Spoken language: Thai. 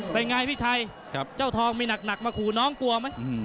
เป็นไงพี่ชัยเจ้าทองมีหนักมาขู่น้องกลัวไหม